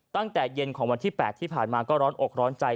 ตั้งแต่เย็นของวันที่๘ที่ผ่านมาก็ร้อนอกร้อนใจ